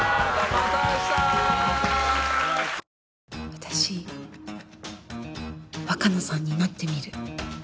私若菜さんになってみる。